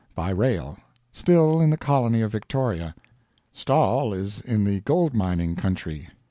By rail. Still in the colony of Victoria. Stawell is in the gold mining country.